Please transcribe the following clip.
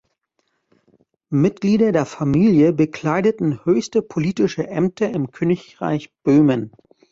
Mitglieder der Familie bekleideten höchste politische Ämter im Königreich Böhmen.